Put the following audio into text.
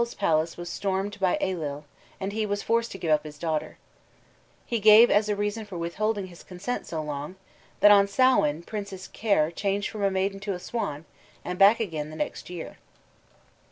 King Ethal's palace was stormed by Ailill, and he was forced to give up his daughter. He gave as a reason for withholding his consent so long, that on Samhain Princess Caer changed from a maiden to a swan, and back again the next year.